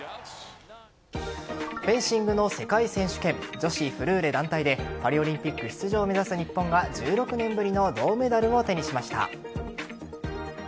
フェンシングの世界選手権女子フルーレ団体でパリオリンピック出場を目指す日本が、１６年ぶりの銅メダルを手にしました。